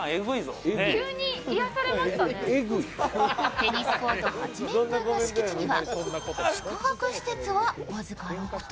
テニスコート８面分の敷地には宿泊施設は僅か６棟。